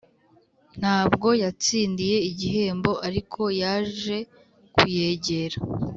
ntabwo yatsindiye igihembo, ariko yaje kuyegera.